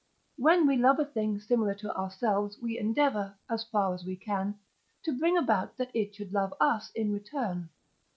When we love a thing similar to ourselves we endeavour, as far as we can, to bring about that it should love us in return.